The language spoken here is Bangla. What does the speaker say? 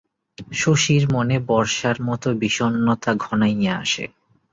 শশীর মনে বর্ষার মতো বিষণ্ণতা ঘনাইয়া আসে।